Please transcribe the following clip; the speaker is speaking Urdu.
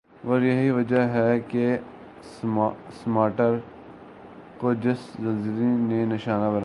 ور یہی وجہ ہی کہ سماٹرا کو جس زلزلی نی نشانہ بنایا